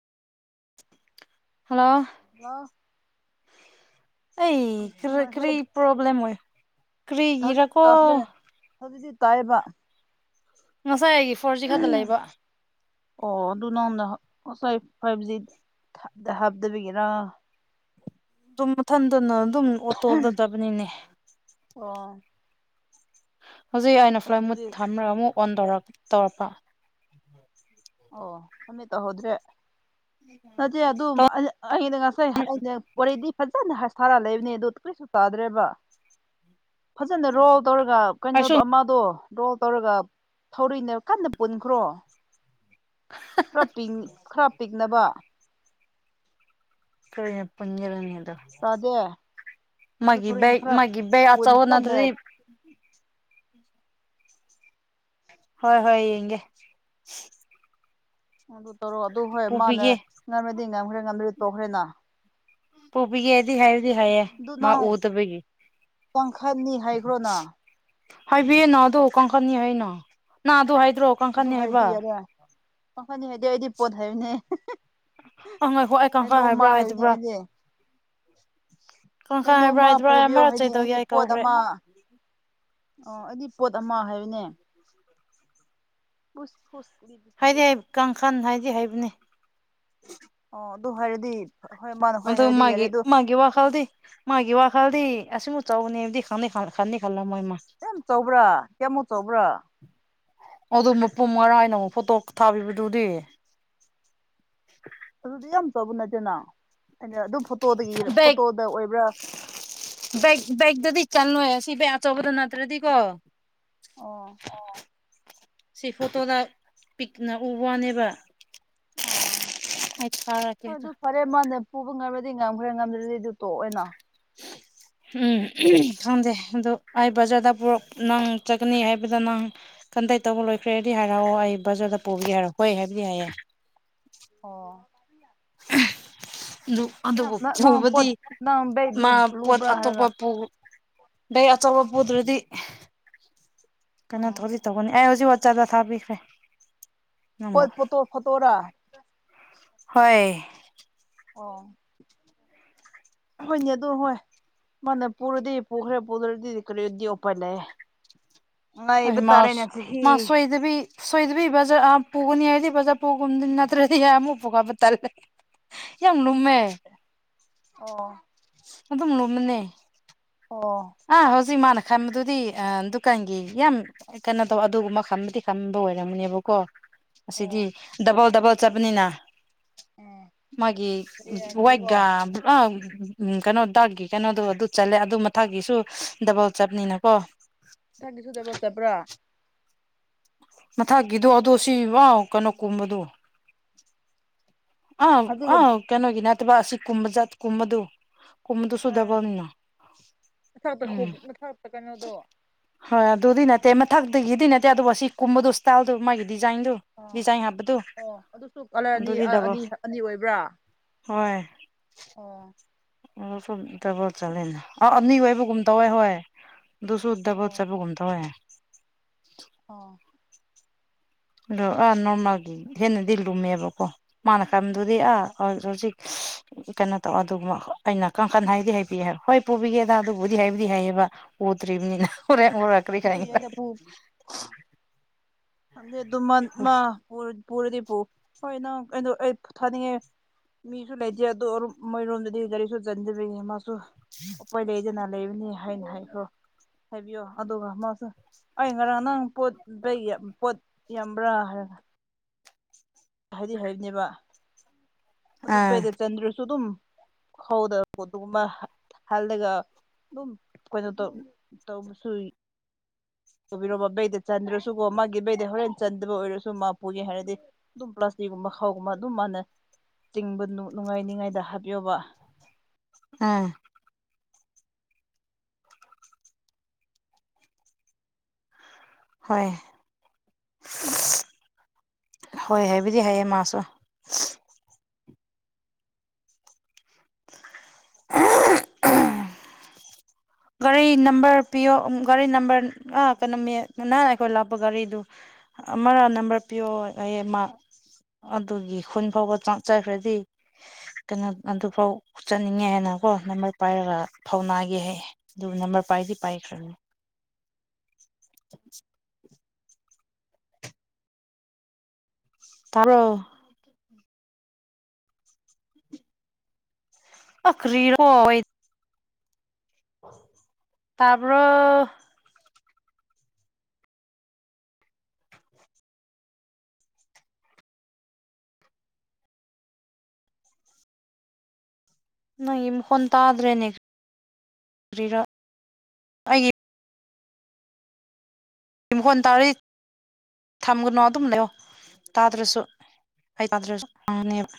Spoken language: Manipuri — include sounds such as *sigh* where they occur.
ꯍꯜꯂꯣ ꯍꯜꯂꯣ ꯑꯩ ꯍꯧꯖꯤꯛ ꯀꯔꯤ ꯅꯨꯡꯉꯥꯏꯈ꯭ꯔꯦ ꯀꯔꯤ ꯄ꯭ꯔꯣꯕ꯭ꯂꯦꯝ ꯑꯣꯏ ꯀ꯭ꯔꯤꯒꯤꯔꯀꯣ ꯑꯗꯨꯗꯤ ꯇꯥꯏꯌꯦꯕ ꯉꯁꯥꯏ ꯑꯩꯒꯤ ꯐꯣꯔ ꯖꯤ ꯈꯠꯇ ꯂꯩꯕ ꯑꯣ ꯑꯗꯨ ꯅꯪꯉ‌ꯣꯟꯗ ꯍꯥꯞ ꯑꯁ ꯑꯩ ꯐꯥꯏꯚ ꯖꯤ ꯊ ꯗ ꯍꯥꯕꯗꯕꯒꯤꯔꯥ ꯗꯨꯝ ꯃꯊꯟꯗꯅ ꯑꯗꯨꯝ ꯑꯣꯇꯣ ꯗ ꯆꯠꯄꯅꯤꯅꯦ ꯑꯣ ꯍꯧꯖꯤꯛ ꯑꯩꯅ ꯐ꯭ꯂꯥꯏꯇ ꯃꯨꯠ ꯑꯩꯒꯤꯗꯨꯗꯤ ꯊꯝꯃꯔ ꯀꯩꯅꯣ ꯑꯃꯨꯛ ꯑꯣꯟ ꯇꯧꯍꯧꯗ꯭ꯔꯦ ꯇꯧꯔꯛ ꯇꯧꯔꯞꯄ ꯑꯣ ꯃꯃꯤꯠ ꯇꯍꯧꯗ꯭ꯔꯦ ꯅꯠꯇꯦ ꯑꯗꯨꯝ ꯑꯩ ꯑ ꯑꯩꯅ ꯉꯁꯤ ꯑꯩꯅ ꯄꯣꯔꯦꯗꯤ ꯐꯖꯅ ꯍꯥꯏꯁ ꯊꯥꯔ ꯑ ꯂꯩꯕꯅꯦ ꯑꯗꯨ ꯀꯔꯤꯁꯨ ꯇꯥꯗ꯭ꯔꯦꯕ *inaudible* ꯐꯖꯅ ꯔꯣꯜ ꯇꯧꯔꯒ ꯑꯩꯁꯨ ꯀꯩꯅꯣꯗꯣ ꯑꯃꯥꯗꯣ ꯔꯣꯜ ꯇꯧꯔꯒ ꯊꯧꯔꯤꯅ ꯀꯟꯅ ꯄꯨꯟꯈ꯭ꯔꯣ ꯈꯔ ꯄꯤꯡ ꯈꯔ ꯄꯤꯡꯅꯕ ꯈꯔ ꯍ‌ꯦꯟ ꯄꯨꯟꯖꯟꯂꯒ‌ꯦ ꯑꯗꯣ ꯇꯥꯗꯦ ꯑꯗꯨ ꯃꯥꯒꯤ ꯊꯧꯔꯤꯅ ꯕꯥꯏꯀ ꯈꯔ ꯃꯥꯒꯤ ꯕꯌꯥ ꯄꯨꯟ ꯀꯟꯅ ꯑꯆꯧꯕꯅꯗ꯭ꯔꯤ ꯍꯣꯏ ꯍꯣꯏ ꯌꯦꯡꯒꯦ ꯑ‌ꯣ ꯑꯗꯨ ꯇꯧꯔꯣ ꯑꯗꯨ ꯍꯣꯏ ꯃꯥꯅ ꯄꯨꯕꯤꯒꯦ ꯉꯝꯃꯗꯤ ꯉꯝꯈ꯭ꯔꯦ ꯉꯝꯗ꯭ꯔ ꯇꯣꯈ꯭ꯔꯦꯅ ꯄꯨꯕꯤꯒꯦꯗꯤ ꯍꯥꯏꯗꯤ ꯍꯥꯏꯌꯦ ꯃꯥ ꯎꯗꯕꯒꯤ ꯀꯥꯡꯈꯟꯅꯤ ꯍꯥꯏꯒ꯭ꯔꯣꯅ ꯍꯥꯏꯕꯤꯌꯦ ꯅ ꯑꯗꯣ ꯀꯥꯡꯈꯟꯅꯤ ꯍꯥꯏꯅ ꯅ ꯑꯗꯨ ꯍꯥꯏꯗ꯭ꯔꯣ ꯑꯗꯨ ꯀꯥꯡꯈꯟꯅꯤ ꯍꯥꯏꯕ ꯍꯥꯏꯔꯗꯤ ꯌꯥꯔꯦ ꯀꯥꯡꯈꯟꯅꯤ ꯍꯥꯏꯗ‌ꯦ ꯑꯩꯗꯤ ꯄꯣꯠ ꯍꯥꯏꯕꯅꯦ ꯑꯪ ꯉꯥꯏꯈꯣ ꯑꯩ ꯀꯥꯡꯈꯟ ꯍꯥꯏꯕ꯭ꯔꯥ ꯍꯥꯏꯗꯕ꯭ꯔꯥ ꯑꯦ ꯀꯥꯡꯈꯟ ꯍꯥꯏꯕ꯭ꯔꯥ ꯀꯩꯅꯣꯝꯃ ꯍꯥꯏꯗꯕ꯭ꯔꯥ ꯑꯩ ꯄꯨꯕꯤꯌꯣ ꯑꯃꯔꯛ ꯍꯥꯏꯅꯤ ꯆꯦꯛ ꯇꯧꯒꯦ ꯑꯩꯒꯤ ꯑꯩ ꯄꯣꯠ ꯀꯥꯎꯈ꯭ꯔꯦ ꯑꯃꯥ ꯑꯣ ꯑꯩꯗꯤ ꯄꯣꯠ ꯑꯃꯥ ꯍꯥꯏꯕꯅꯦ ꯀꯨꯁ ꯐꯨꯁ ꯄꯨꯔꯤ ꯗꯨꯗ ꯗꯤ ꯍꯥꯏꯗꯤ ꯀꯥꯡꯈꯟ ꯍꯥꯏꯗꯤ ꯍꯩꯕꯅ‌ꯦ ꯑꯣ ꯑꯗꯨ ꯍꯥꯏꯔꯗꯤ ꯍꯣꯏ ꯃꯥꯅ ꯍꯣꯏ ꯑꯗꯨꯝ ꯍꯥꯏꯔꯗꯤ ꯌꯥꯔꯦ ꯃꯥꯒꯤ ꯑꯗꯨ ꯃꯥꯒꯤ ꯋꯥ ꯄꯣꯠ ꯈꯜꯗꯤ ꯃꯥꯒꯤ ꯋꯥꯈꯜꯗꯤ ꯑꯁꯤ ꯃꯨ ꯆꯥꯎꯕꯅꯦꯗꯤ ꯈꯪ ꯅꯤ ꯈꯟ ꯈꯟꯅꯤ ꯈꯂꯝ ꯃꯣꯏ ꯃꯥ ꯌꯥꯝ ꯆꯥꯎꯕ꯭ꯔꯥ ꯀꯌꯥꯝ ꯃꯨꯛ ꯆꯥꯎꯕ꯭ꯔꯥ ꯑꯗꯨ ꯃꯄꯨꯝ ꯉꯔꯥ ꯑꯩꯅ ꯑꯃꯨꯛ ꯐꯣꯇꯣ ꯐꯊꯥꯕꯤꯕꯗꯨꯗꯤ ꯑꯗꯨꯗꯤ ꯌꯥꯝ ꯆꯥꯎꯕ ꯅꯠꯇꯦꯅ ꯑꯩꯅ ꯑꯗꯨꯝ ꯐꯣꯇꯣꯗꯒꯤ ꯕꯦꯛ ꯐꯣꯇꯣꯗ ꯑꯣꯏꯕ꯭ꯔꯥ ꯕꯦꯛ ꯕꯦꯛꯇꯗꯤ ꯆꯜꯂꯣꯏ ꯑꯁꯤ ꯕꯦꯛ ꯑꯆꯧꯕꯗ ꯅꯠꯇ꯭ꯔꯗꯤꯀꯣ ꯑꯣ ꯑꯣ ꯁꯤ ꯐꯣꯇꯣꯗ ꯄꯤꯛꯅ ꯎꯕ ꯋꯥꯅꯦꯕ ꯑꯣ ꯑꯩ ꯊꯥꯔꯛꯀꯦ ꯍꯣꯏ ꯑꯗꯣ ꯑꯗꯨ ꯐꯔꯦ ꯃꯥꯅ ꯄꯨꯕ ꯉꯝꯔꯗꯤ ꯉꯝꯈ꯭ꯔꯦ ꯉꯝꯗ꯭ꯔꯗꯤ ꯑꯗꯨ ꯇꯣꯑ‌ꯦꯅ ꯎꯝ ꯈꯪꯗꯦ ꯑꯗꯨ ꯑꯩ ꯕꯖꯥꯔꯗ ꯄꯨꯔꯛ ꯅꯪ ꯆꯠ ꯀꯅꯤ ꯍꯥꯏꯕꯗ ꯅꯪ ꯀꯟꯇꯦꯠ ꯇꯧꯕ ꯂꯣꯏꯈ꯭ꯔꯦꯗꯤ ꯍꯥꯏꯔꯑꯣ ꯑꯩ ꯕꯖꯥꯔꯗ ꯄꯨꯕꯤꯒꯦ ꯍꯥꯏꯔꯑꯣ ꯍꯣꯏ ꯍꯥꯏꯕꯗꯤ ꯍꯥꯏꯌꯦ ꯑꯣ ꯅꯨꯞ ꯑꯗꯨꯕꯨ ꯅꯪ ꯅꯪ ꯄꯣꯠ ꯆꯨꯕꯗꯤ ꯅꯪ ꯕꯦꯛ ꯂꯨ ꯃꯥ ꯄꯣꯠ ꯂꯨꯕ꯭ꯔꯥ ꯍꯥꯏꯔꯒ ꯑꯇꯣꯞꯄ ꯄꯨ ꯕꯦ ꯑꯆꯧꯕ ꯄꯨꯗ꯭ꯔꯗꯤ ꯀꯩꯅꯣ ꯊꯧꯗꯤ ꯇꯧꯒꯅꯤ ꯑꯩ ꯍꯨꯖꯤꯋꯥ ꯆꯥꯗ ꯊꯥꯕꯤꯈ꯭ꯔꯦ ꯅꯪꯕꯨ ꯄꯣꯠ ꯐꯣꯠꯇꯣ ꯐꯠꯇꯣꯔꯥ ꯍꯣꯏ ꯑꯣ ꯍꯣꯏꯅꯦ ꯑꯗꯣ ꯍꯣꯏ ꯃꯅꯥ ꯄꯨꯔꯗꯤ ꯄꯨꯈ꯭ꯔꯦ ꯄꯨꯗ꯭ꯔꯗꯤ ꯀꯔꯤꯗꯤ ꯑꯨꯄꯥꯏ ꯂꯩꯌꯦ ꯑꯩ ꯉꯥꯏꯕ ꯃꯥꯁ ꯇꯥꯔꯦꯅꯦ ꯆꯍꯤ ꯃꯥ ꯁꯣꯏꯗꯕꯤ ꯁꯣꯏꯗꯕꯤ ꯕꯖꯥꯔ ꯑꯥ ꯄꯨꯒꯅꯤ ꯍꯥꯏꯗꯤ ꯕꯖꯥꯔ ꯄꯨꯒꯨꯝꯗꯤ ꯅꯠꯇ꯭ꯔꯗꯤ ꯌꯥ ꯑꯃꯨꯛ ꯄꯨꯈꯠꯄ ꯇꯜꯂꯦ ꯌꯥꯝ ꯂꯨꯝꯃꯦ ꯑꯣ ꯑꯗꯨꯝ ꯂꯨꯝꯃꯅꯦ ꯑꯣ ꯑꯥ ꯍꯧꯖꯤꯛ ꯃꯥꯅ ꯈꯕꯗꯨꯗꯤ ꯑꯥ ꯗꯨꯀꯥꯟꯒꯤ ꯌꯥꯝ ꯑꯩꯠ ꯀꯩꯅꯣ ꯇꯧꯕ ꯑꯗꯨꯒꯨꯝꯕ ꯈꯟꯕꯗꯤ ꯈꯟꯕ ꯑꯣꯏꯔꯝꯒꯅꯦꯕꯀꯣ ꯑꯁꯤꯗꯤ ꯑꯣ ꯗꯕꯜ ꯗꯕꯜ ꯆꯠꯄꯅꯤꯅ ꯑꯣ ꯃꯥꯒꯤ ꯎꯝ ꯂꯩꯔꯗꯤꯀꯣ ꯋꯥꯏꯠꯒꯥꯝ ꯑꯥ ꯎꯝ ꯀꯩꯅꯣ ꯗ꯭ꯥꯔꯛꯀꯤ ꯀꯩꯅꯣꯗꯨ ꯑꯗꯨ ꯆꯜꯂꯦ ꯑꯗꯨ ꯃꯊꯛꯀꯤꯁꯨ ꯗꯕꯜ ꯆꯠꯄꯅꯤꯅꯀꯣ ꯊꯛꯀꯤꯁꯨ ꯗꯕꯜ ꯆꯠꯄ꯭ꯔꯥ ꯃꯊꯛꯀꯤꯗꯣ ꯑꯗꯨ ꯁꯤꯕꯥꯎ ꯀꯩꯅꯣꯀꯨꯝꯕꯗꯣ ꯑꯥꯞ ꯑꯗꯨꯒ ꯑꯥ ꯀꯩꯅꯣꯒꯤ ꯅꯠꯇꯕ ꯑꯁꯤ ꯀꯨꯝꯕ ꯆꯠ ꯀꯨꯝꯕꯗꯨ ꯀꯨꯝꯕꯗꯨꯁꯨ ꯑꯥ ꯗꯕꯜꯅꯤꯅ ꯃꯊꯛꯇ ꯎꯝ ꯈꯣꯝ ꯃꯊꯛꯇ ꯀꯩꯅꯣꯗꯣ ꯍꯣꯏ ꯑꯗꯨꯗꯤ ꯅꯠꯇꯦ ꯃꯊꯛꯇꯒꯤꯗꯤ ꯅꯠꯇꯦ ꯑꯗꯨꯕꯨ ꯑꯁꯤ ꯀꯨꯝꯕꯗꯣ ꯁ꯭ꯇꯥꯏꯜꯗꯣ ꯃꯥꯒꯤ ꯗꯤꯖꯥꯏꯟꯗꯨ ꯑꯥ ꯗꯤꯖꯥꯏꯟ ꯍꯥꯞꯄꯗꯨ ꯑꯣ ꯑꯗꯨꯁꯨ ꯀꯥꯂꯔꯗꯤ ꯑꯗꯨꯗꯤ ꯑꯥ ꯗꯕꯜ ꯑꯅꯤ ꯑꯅꯤ ꯑꯣꯏꯕ꯭ꯔꯥ ꯍꯣꯏ ꯑꯣ ꯑꯥ ꯁꯨꯝ ꯊꯕꯛ ꯆꯠꯂꯦꯅꯦ ꯑꯥꯎ ꯑꯅꯤ ꯑꯣꯏꯕꯒꯨꯝ ꯇꯧꯋꯦ ꯍꯣꯏ ꯗꯨꯁꯨ ꯗꯕꯜ ꯑꯣ ꯆꯠꯄꯒꯨꯝ ꯇꯧꯌꯦ ꯑꯣ ꯑꯗꯨ ꯑꯥ ꯅꯣꯔꯃꯦꯜꯒꯤ ꯍꯦꯟꯅꯗꯤ ꯂꯨꯝꯃꯦꯕꯀꯣ ꯃꯥꯅ ꯈꯝꯕꯗꯨꯗꯤ ꯑꯥ ꯍꯧ ꯍꯧꯖꯤꯛ ꯀꯩꯅꯣ ꯇꯧ ꯑꯗꯨꯒꯨꯝꯕ ꯑꯥ ꯑꯩꯅ ꯀꯥꯡꯈꯜ ꯍꯥꯏꯗꯤ ꯍꯥꯏꯄꯤꯌꯦ ꯍꯣꯏ ꯄꯨꯕꯤꯒꯦꯗ ꯑꯗꯨꯕꯨꯗꯤ ꯍꯥꯏꯕꯨꯗꯤ ꯍꯥꯏꯌꯦꯕ ꯎꯗ꯭ꯔꯤꯕꯅꯤꯅ ꯍꯣꯔꯦꯟ ꯎꯔꯥ__ ꯍꯥꯞꯄꯨ ꯏꯌꯔꯗ ꯐꯧ ꯈꯪꯗꯦ ꯑꯗꯨ ꯃꯥꯟ ꯃꯥ ꯄꯨꯔ ꯄꯨꯔꯗꯤ ꯄꯨ ꯍꯣꯏ ꯅꯪ ꯑꯩꯗꯣ ꯑꯩ ꯊꯥ ꯊꯥꯅꯤꯡꯉꯦ ꯃꯤꯁꯨ ꯂꯩꯇꯦ ꯑꯗꯨꯝ ꯃꯣꯏꯔꯣꯝꯗꯗꯤ ꯒꯥꯔꯤꯁꯨ ꯆꯟꯗꯕꯒꯤ ꯃꯥꯁꯨ ꯎꯄꯥꯏ ꯂꯩꯇꯦꯅ ꯂꯩꯕꯅꯤ ꯍꯥꯏꯅ ꯍꯥꯏꯈ꯭ꯔꯣ ꯍꯥꯏꯕꯤꯌꯣ ꯑꯥꯗꯨꯒ ꯃꯥꯁꯨ ꯑꯩ ꯉꯔꯥꯡ ꯅꯪ ꯄꯣꯠ ꯕꯦꯒꯦ ꯄꯣꯠ ꯌꯥꯝꯕ꯭ꯔꯥ ꯍꯥꯏꯔꯒ ꯍꯥꯏꯗꯤ ꯍꯩꯕꯅꯦꯕ ꯑꯗꯨ ꯑꯥ ꯕꯦꯗꯦꯠ ꯆꯟꯗ꯭ꯔꯥꯁꯨ ꯑꯗꯨꯝ ꯍꯧꯗꯕ ꯄꯣꯠꯇꯨꯕꯨ ꯃꯥ ꯍꯠ ꯍꯜꯂꯒ ꯑꯗꯨꯝ ꯀꯩꯅꯣ ꯇꯧ ꯇꯧꯕꯁꯨꯏ ꯇꯧꯕꯤꯔꯣꯕ ꯕꯩꯗ ꯆꯟꯗ꯭ꯔꯁꯨꯀꯣ ꯃꯥꯒꯤ ꯕꯩꯗ ꯍꯣꯔꯦꯟ ꯆꯟꯗꯕ ꯑꯣꯏꯔꯁꯨ ꯃꯥ ꯄꯨꯒꯦ ꯍꯥꯏꯔꯗꯤ ꯑꯗꯨꯝ ꯄ꯭ꯂꯥꯁꯇꯤꯒꯨꯝꯕ ꯈꯥꯎꯒꯨꯝꯕ ꯑꯗꯨꯝ ꯃꯥꯅ ꯆꯤꯡꯕ ꯅꯨꯡ ꯅꯨꯡꯉꯥꯏꯅꯤꯉꯥꯏꯗ ꯍꯥꯞꯄꯤꯌꯣꯕ ꯑꯥ ꯍꯣꯏ ꯍꯣꯏ ꯍꯥꯏꯕꯨꯗꯤ ꯍꯥꯏꯌꯦ ꯃꯥꯁꯨ *unintelligible* ꯒꯥꯔꯤ ꯅꯝꯕꯔ ꯄꯤꯌꯣ ꯒꯥꯔꯤ ꯅꯝꯕꯔ ꯑꯥ ꯀꯩꯅꯣꯃꯦ ꯅꯪ ꯑꯩꯈꯣꯏ ꯂꯥꯛꯄ ꯒꯥꯔꯤꯗꯣ ꯑꯃꯔ ꯅꯝꯕꯔ ꯄꯤꯌꯣ ꯍꯥꯏꯌꯦ ꯃꯥ ꯑꯗꯨꯒꯤ ꯈꯨꯟ ꯐꯥꯎꯕ ꯆꯥꯛ ꯆꯠꯈ꯭ꯔꯗꯤ ꯀꯩꯅꯣ ꯑꯗꯨꯐꯥꯎ ꯆꯠꯅꯤꯡꯉꯦ ꯍꯥꯏꯅ ꯀꯣ ꯅꯝꯕꯔ ꯄꯥꯏꯔꯒ ꯐꯥꯎꯅꯥꯒꯦ ꯍꯥꯏꯌꯦ ꯑꯗꯨꯗꯨ ꯅꯝꯕꯔ ꯄꯥꯏꯗꯤ ꯄꯥꯏꯈꯔꯅꯤ *unintelligible* ꯇꯕ꯭ꯔꯣ ꯑꯥ ꯀꯔꯤꯔꯣ ꯋꯦꯠ ꯇꯥꯔ꯭ꯕꯣ ꯅꯣꯏꯒꯤ ꯃꯈꯣꯟ ꯇꯥꯗ꯭ꯔꯦꯅꯦ ꯀꯔꯤꯔ ꯑꯩꯒꯤ ꯃꯈꯣꯟ ꯇꯥꯔꯤ ꯊꯝꯒꯅꯨ ꯑꯗꯨꯝ ꯂꯩꯌꯣ ꯇꯥꯗ꯭ꯔꯁꯨ ꯑꯩ ꯇꯥꯗ꯭ꯔꯁꯨ ꯅꯦꯕ